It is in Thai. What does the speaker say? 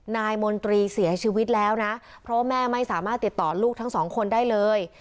นายมนตรีเสียชีวิตแล้วนะเพราะว่าแม่ไม่สามารถติดต่อลูกทั้งสองคนได้เลย